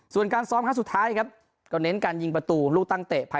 ส่วนการซ้อมครั้งสุดท้ายครับก็เน้นการยิงประตูลูกตั้งเตะภาย